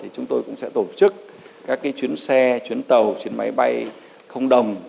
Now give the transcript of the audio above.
chúng tôi cũng sẽ tổ chức các chuyến xe chuyến tàu chuyến máy bay không đồng